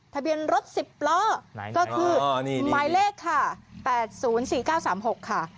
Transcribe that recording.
ทะเบียนรถ๑๐ล้อก็คือหมายเลขค่ะ๘๐๔๙๓๖ค่ะ